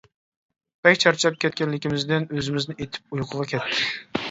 بەك چارچاپ كەتكەنلىكىمىزدىن ئۆزىمىزنى ئېتىپ ئۇيقۇغا كەتتۇق.